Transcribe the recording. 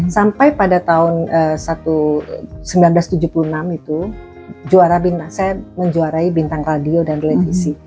sampai pada tahun seribu sembilan ratus tujuh puluh enam itu juara bintang saya menjuarai bintang radio dan televisi